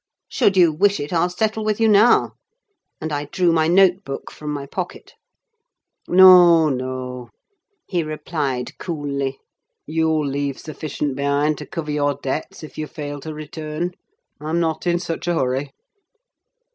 "Should you wish it, I'll settle with you now," and I drew my note book from my pocket. "No, no," he replied, coolly; "you'll leave sufficient behind to cover your debts, if you fail to return: I'm not in such a hurry.